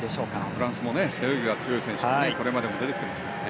フランスも背泳ぎが強い選手がこれまでも出てきていますからね。